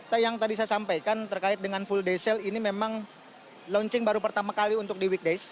data yang tadi saya sampaikan terkait dengan full day sale ini memang launching baru pertama kali untuk di weekdays